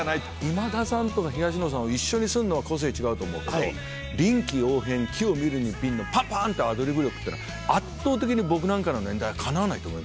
今田さんとか東野さんを一緒にすんのは個性違うと思うけど臨機応変機を見るに敏のパンパン！とアドリブ力ってのは圧倒的に僕なんかの年代かなわないと思いますよ。